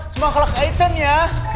semangka lakaitan ya